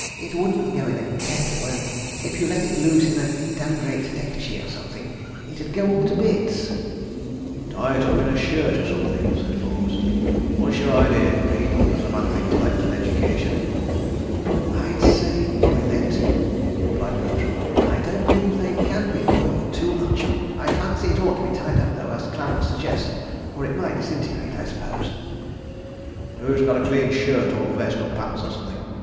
"It wouldn't go in a kettle, an' if you let it loose in a dam' great dekchi or something, it'd all go to bits. ..." "Tie it up in a shirt or something," said Forbes. ... "What's your idea, Greene—as a man of intellect and education?" "I'd say boil it," replied Bertram. "I don't believe they can be boiled too much. ... I fancy it ought to be tied up, though, as Clarence suggests, or it might disintegrate, I suppose." "Who's got a clean shirt or vest or pants or something?"